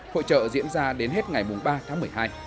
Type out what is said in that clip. hội trợ diễn ra đến hết ngày ba tháng một mươi hai